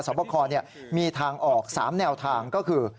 บคมีทางออก๓แนวทางก็คือ